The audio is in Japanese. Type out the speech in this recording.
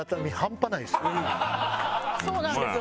そうなんですよ。